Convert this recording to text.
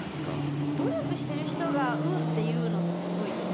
努力してる人が「運」って言うのってすごいよね。